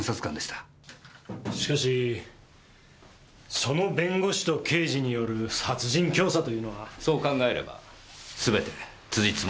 しかしその弁護士と刑事による殺人教唆というのは。そう考えればすべて辻褄は合います。